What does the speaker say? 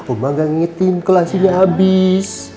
oma gak ngingetin kelasinya abis